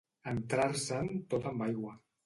Entrar-se'n tot amb aigua.